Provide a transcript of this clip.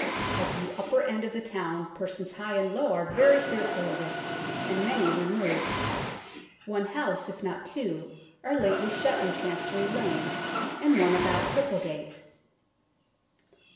At ye upper end of the towne persons high and low are very fearfull of it, and many removed ; one house, if not two, are lately shut in Chancery Lane, and one about Cripplegate."